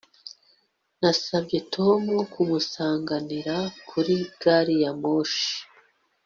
Nasabye Tom kunsanganira kuri gari ya moshi